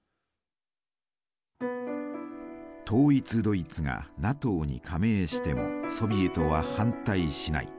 統一ドイツがＮＡＴＯに加盟してもソビエトは反対しない。